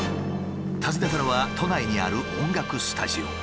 訪ねたのは都内にある音楽スタジオ。